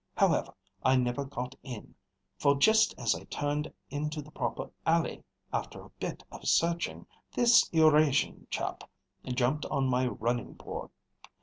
However, I never got in, for just as I turned into the proper alley, after a bit of searching, this Eurasian chap jumped on my running board.